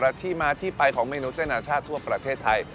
และที่มาที่ไปของเมนูเส้นอาชาติทั่วประเทศไทย